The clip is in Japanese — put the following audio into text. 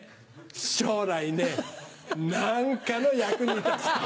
将来ね何かの役に立つと思って。